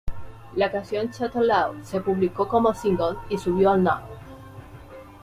La canción "Shout Out Loud" se publicó como single y subió al Núm.